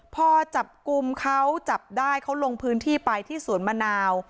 พอจับกลุ่มเขาจับได้เขาลงพื้นที่ไปที่สวนมะนาว